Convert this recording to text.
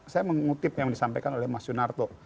saya mengutip yang disampaikan oleh mas yunarto